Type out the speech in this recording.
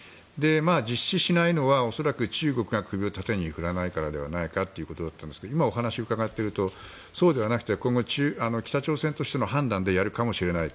実施しないのは恐らく中国が首を縦に振らないからではないかということだったんですが今お話を伺ってるとそうではなくて今後北朝鮮としての判断でやるかもしれない。